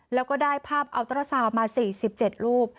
แล้วก็ได้ภาพอัลตราซาลมา๔๗รูป